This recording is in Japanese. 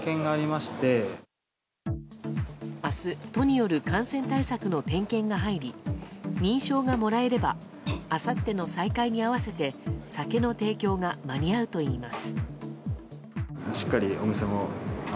明日、都による感染対策の点検が入り認証がもらえればあさっての再開に合わせて酒の提供が間に合うといいます。